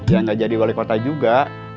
jangan jadi wali kota juga